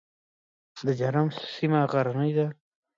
د جرم سیمه غرنۍ ده